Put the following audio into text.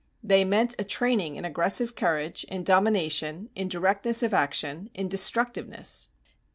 They meant a training in aggressive courage, in domination, in directness of action, in destructiveness.